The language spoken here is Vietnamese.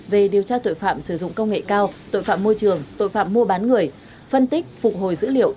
về điều tra tội phạm sử dụng công nghệ cao tội phạm môi trường tội phạm mua bán người phân tích phục hồi dữ liệu